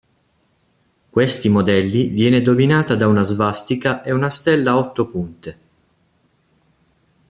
Questi modelli viene dominata da una svastica e una stella a otto punte.